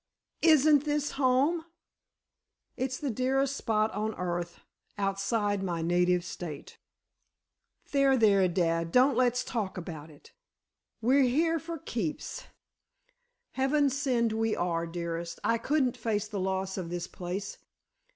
"Isn't this home?" "It's the dearest spot on earth—outside my native state." "There, there, dad, don't let's talk about it. We're here for keeps——" "Heaven send we are, dearest! I couldn't face the loss of this place.